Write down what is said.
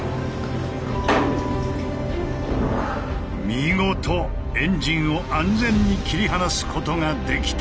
見事エンジンを安全に切り離すことができた。